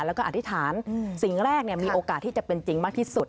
แล้วก็อธิษฐานสิ่งแรกมีโอกาสที่จะเป็นจริงมากที่สุด